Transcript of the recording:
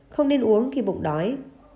không nên uống khi bụng đói